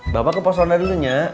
bapak ke pos ronda dulu nya